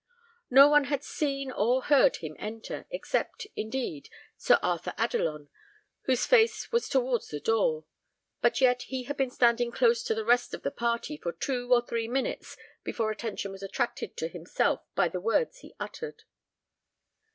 No one had seen or heard him enter, except, indeed, Sir Arthur Adelon, whose face was towards the door, but yet he had been standing close to the rest of the party for two or three minutes before attention was attracted to himself by the words he uttered.